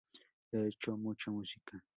He hecho mucha música.